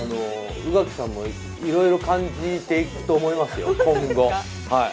宇垣さんもいろいろ今後、感じていくと思いますよ。